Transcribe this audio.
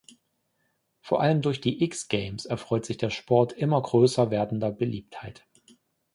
Vor allem durch die X-Games erfreut sich der Sport immer größer werdender Beliebtheit.